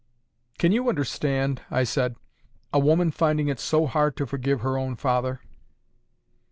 "Can you understand," I said, "a woman finding it so hard to forgive her own father?"